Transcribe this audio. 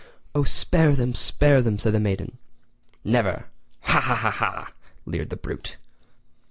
"Oh, spare them, spare them!" said the maiden. "Never ... ha ha ha ha!" leered the brute.